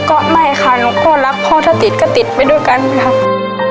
ก็ไม่ค่ะหนูก็รับพ่อถ้าติดก็ติดไปด้วยกันค่ะ